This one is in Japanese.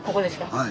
はい。